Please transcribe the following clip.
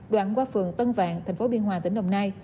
đoạn qua phường tân vạn tp biên hòa tỉnh đồng nai